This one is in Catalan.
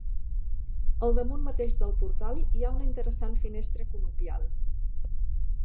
Al damunt mateix del portal hi ha una interessant finestra conopial.